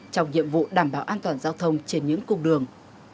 trong nhiệm vụ đảm bảo an toàn giao thông trên những cung đường